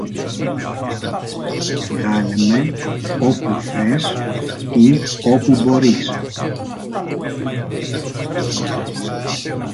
Βγάλε με όπου θες ή όπου μπορείς